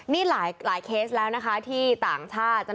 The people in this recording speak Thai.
นี่หลายเคสแล้วนะคะที่ต่างชาติ